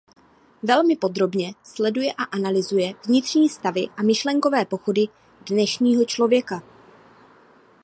Velmi podrobně sleduje a analyzuje vnitřní stavy a myšlenkové pochody dnešního člověka.